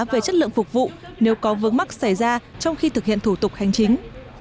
về chất lượng phục vụ nếu có vướng mắc xảy ra trong khi thực hiện thủ tục hành chính